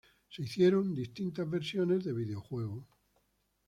Se hicieron distintas versiones de videojuego.